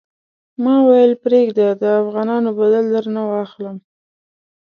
ما ویل پرېږده د افغانانو بدل درنه واخلم.